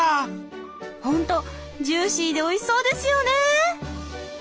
ほんとジューシーでおいしそうですよね。